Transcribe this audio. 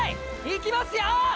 いきますよ！！